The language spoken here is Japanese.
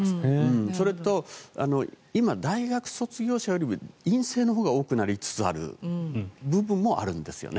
それと今、大学卒業者よりも院生が多くなりつつある部分もあるんですね。